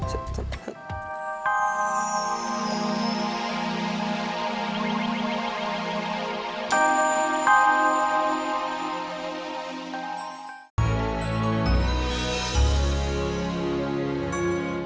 sampai jumpa lagi